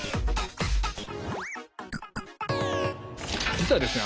実はですね